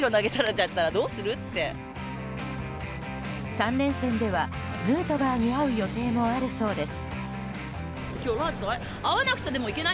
３連戦ではヌートバーに会う予定もあるそうです。